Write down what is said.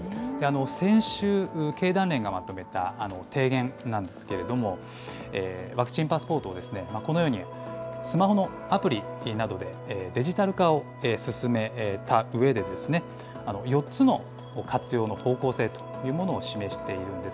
先週、経団連がまとめた提言なんですけれども、ワクチンパスポートを、このようにスマホのアプリなどでデジタル化を進めたうえで、４つの活用の方向性というものを示しているんです。